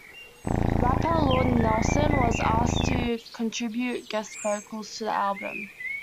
Rapper Lord Nelson was asked to contribute guest vocals to the album.